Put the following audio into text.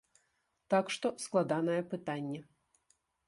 Так што складанае пытанне.